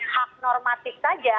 hak normatif saja